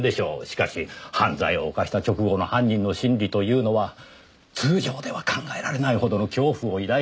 しかし犯罪を犯した直後の犯人の心理というのは通常では考えられないほどの恐怖を抱いているものです。